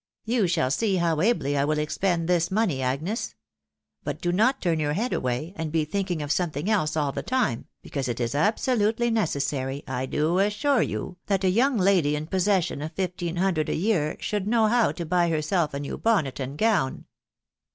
You shall see how ably I will expend this money, Agnes ; but do not turn your head away, and be AiwVfag of something else all the time, because it is absolutely necessary, I do assure you, that a young lady in possession of fifteen hundred a year should know how to buy herself a new bonnet and gown."